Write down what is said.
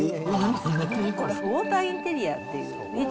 ウォーターインテリアっていう。